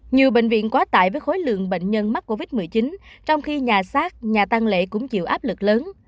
nhiều bệnh viện quá tại với khối lượng bệnh nhân mắc covid một mươi chín trong khi nhà xác nhà tăng lệ cũng chịu áp lực lớn